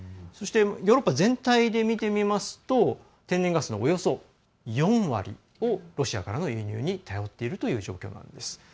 そしてヨーロッパ全体で見てみますと天然ガスの４割をロシアからの輸入に頼っているという状況なんです。